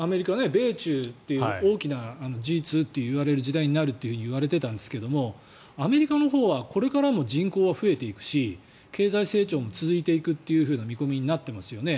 米中というＧ２と言われる時代になるといわれていたんですがアメリカのほうはこれからも人口は増えていくし経済成長も続いていくっていう見込みになっていますよね。